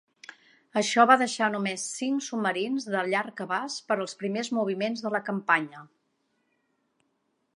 Això va deixar només cinc submarins de llarg abast per als primers moviments de la campanya.